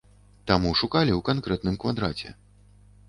Таму шукалі ў канкрэтным квадраце.